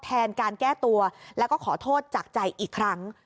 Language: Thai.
แทนการแก้ตัวแล้วก็ขอโทษจากใจอีกครั้ง